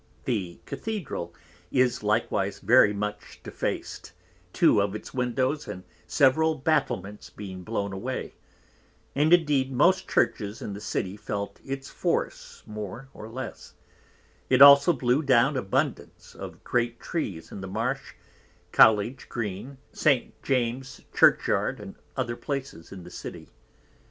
The Cathedral is likewise very much defac'd, two of its Windows, and several Battlements being blown away; and, indeed, most Churches in the City felt its force more or less; it also blew down abundance of great Trees in the Marsh, College Green, St. James's Church yard, and other places in the City.